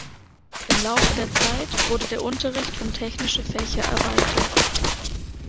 Im Laufe der Zeit wurde der Unterricht um technische Fächer erweitert.